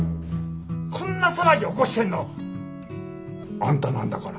こんな騒ぎ起こしてんのあんたなんだから。